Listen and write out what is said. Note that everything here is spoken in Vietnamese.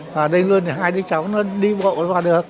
và đây luôn thì hai đứa cháu nó đi bộ vào được